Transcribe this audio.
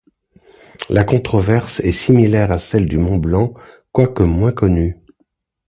La controverse est similaire à celle du mont Blanc quoique moins connue.